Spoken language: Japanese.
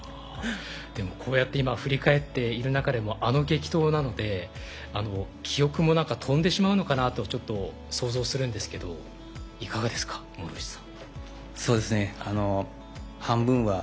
でも、こうやって今振り返っている中でもあの激闘なので記憶も飛んでしまうのかなとちょっと想像するんですけどそうですね